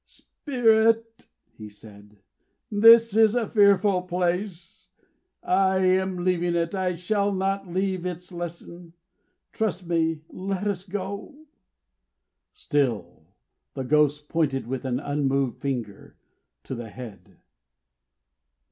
"Spirit!" he said, "this is a fearful place. In leaving it, I shall not leave its lesson, trust me. Let us go!" Still the Ghost pointed with an unmoved finger to the head.